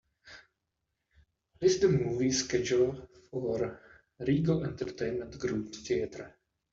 List the movie schedule for Regal Entertainment Group theater.